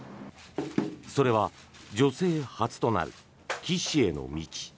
それは女性初となる棋士への道。